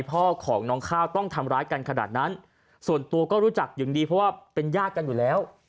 พ่อของน้องข้าวต้องทำร้ายกันขนาดนั้นส่วนตัวก็รู้จักอย่างดีเพราะว่าเป็นญาติกันอยู่แล้ว